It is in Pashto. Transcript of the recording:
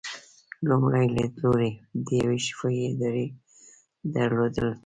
لومړی لیدلوری د یوې شفافې ادارې درلودل دي.